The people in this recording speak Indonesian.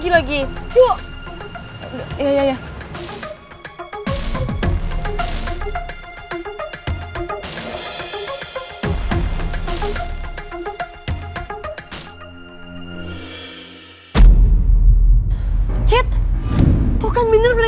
lo gak usah pinter ya